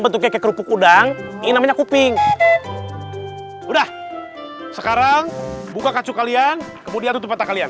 betul kek kerupuk udang namanya kuping udah sekarang buka kacau kalian kemudian tempat kalian